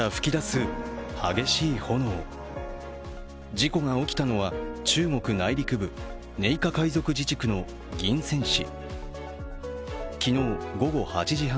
事故が起きたのは中国内陸部寧夏回族自治区の銀川市。